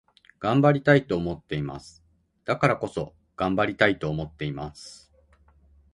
頑張りたいと思っています。だからこそ、頑張りたいと思っています。